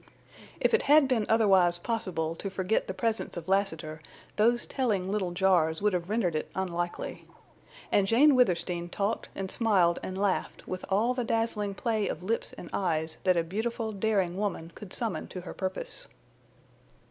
If it had been otherwise possible to forget the presence of Lassiter those telling little jars would have rendered it unlikely. And Jane Withersteen talked and smiled and laughed with all the dazzling play of lips and eyes that a beautiful, daring woman could summon to her purpose.